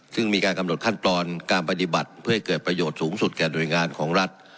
ซึ่งมีการกำหนดขั้นตอนการปฏิบัติเพื่อให้เกิดประโยชน์สูงสุดแก่หน่วยงานของรัฐ